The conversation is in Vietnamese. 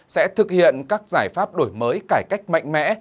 sẽ thực hiện các giải pháp đổi mới cải cách mạnh mẽ